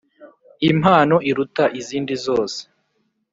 impano iruta izindi zose.